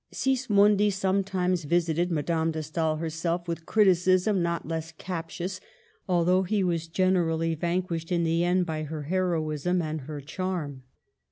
Sismondi sometimes visited Madame de Stael herself with criticism not less captious, although he was generally vanquished in the end by her heroism and her charm.